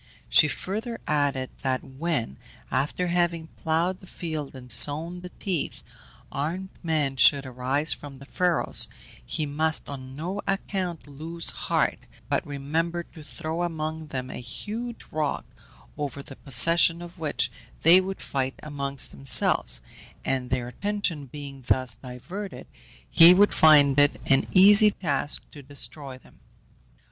She further added that when, after having ploughed the field and sown the teeth, armed men should arise from the furrows, he must on no account lose heart, but remember to throw among them a huge rock, over the possession of which they would fight among themselves, and their attention being thus diverted he would find it an easy task to destroy them.